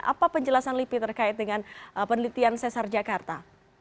apa penjelasan lipi terkait dengan penelitian sesar jakarta